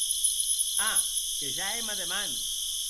A, que ja èm a deman!